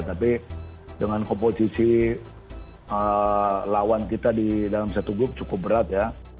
tapi dengan komposisi lawan kita di dalam satu grup cukup berat ya